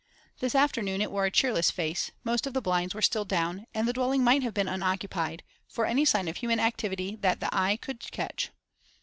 This afternoon it wore a cheerless face; most of the blinds were still down, and the dwelling might have been unoccupied, for any sign of human activity that the eye could catch.